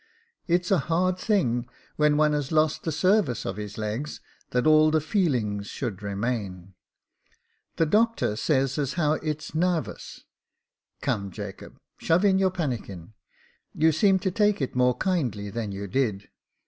It's a hard thing when one has lost the sarvice of his legs, that all the feelings should remain. The doctor says as how its narvous. Come, Jacob, shove in your pannikin. You seem to take it more kindly than you did."